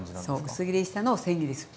薄切りしたのをせん切りする。